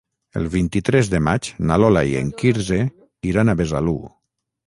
El vint-i-tres de maig na Lola i en Quirze iran a Besalú.